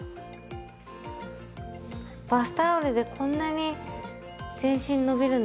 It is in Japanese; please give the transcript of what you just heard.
バスタオルでこんなに全身伸びるんですね。